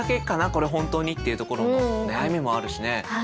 これ本当に」っていうところの悩みもあるしね。